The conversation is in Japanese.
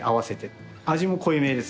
味も濃いめですね。